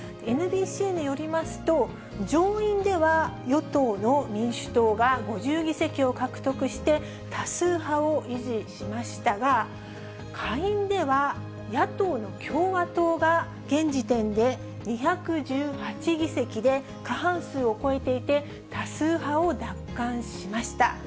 ＮＢＣによりますと、上院では、与党の民主党が５０議席を獲得して、多数派を維持しましたが、下院では、野党の共和党が、現時点で２１８議席で、過半数を超えていて、多数派を奪還しました。